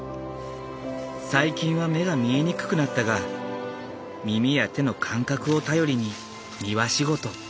最近は目が見えにくくなったが耳や手の感覚を頼りに庭仕事。